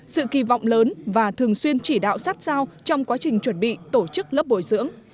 sự kỳ vọng lớn và thường xuyên chỉ đạo sát sao trong quá trình chuẩn bị tổ chức lớp bồi dưỡng